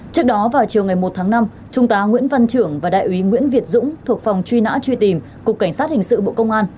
trước đó vào chiều ngày một tháng năm trung tá nguyễn văn trưởng và đại úy nguyễn việt dũng thuộc phòng truy nã truy tìm cục cảnh sát hình sự bộ công an